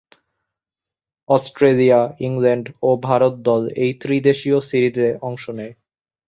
Australia, England ও ভারত দল এই ত্রি-দেশীয় সিরিজে অংশ নেয়।